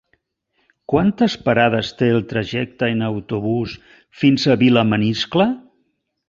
Quantes parades té el trajecte en autobús fins a Vilamaniscle?